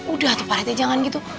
udah tuh pak rete jangan gitu